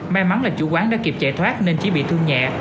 may mắn là chủ quán đã kịp chạy thoát nên chỉ bị thương nhẹ